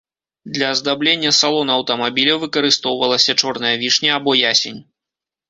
Для аздаблення салона аўтамабіля выкарыстоўвалася чорная вішня або ясень.